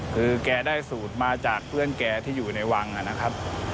คือแกได้สูตรมาจากเพื่อนแกที่อยู่ในวังนะครับ